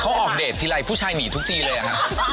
เขาออกเดททีไรผู้ชายหนีทุกทีเลยอะครับ